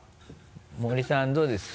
森さんどうですか？